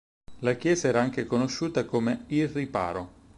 La chiesa era anche conosciuta come "il Riparo".